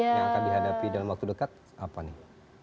yang akan dihadapi dalam waktu dekat apa nih